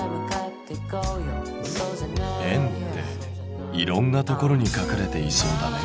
円っていろんなところに隠れていそうだね。